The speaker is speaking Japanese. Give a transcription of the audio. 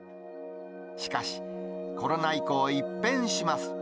しかし、コロナ以降、一変します。